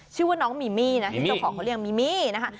ชื่อว่าน้องมีมี่นะที่เจ้าของเขาเรียกมีมี่นะคะ